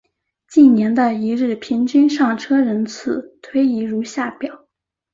近年的一日平均上车人次推移如下表。